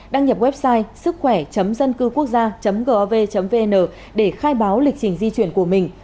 đăng nhập website sứckhoẻ dâncưquốc gia gov vn để khai báo lịch trình di chuyển của mình